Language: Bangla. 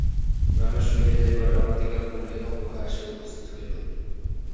রমেশ চলিয়া যাইবার অনতিকাল পরেই অক্ষয় আসিয়া উপস্থিত হইল।